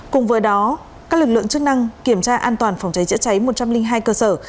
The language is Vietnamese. cùng với đó các lực lượng chức năng kiểm tra an toàn phòng cháy chữa cháy một trăm linh hai cơ sở